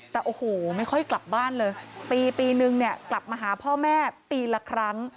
แต่โอ้โหไม่ค่อยกลับบ้านเลยปีนึงเนี่ยกลับมาหาพ่อแม่ปีละครั้ง